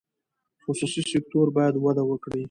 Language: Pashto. خصوصي سکتور باید وده وکړي.